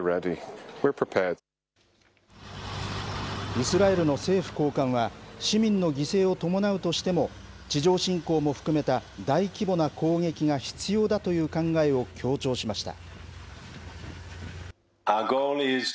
イスラエルの政府高官は、市民の犠牲を伴うとしても、地上侵攻も含めた大規模な攻撃が必要だという考えを強調しました。